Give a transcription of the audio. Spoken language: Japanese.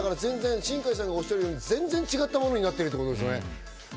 新海さんがおっしゃるように全然違ったものになっているということですね。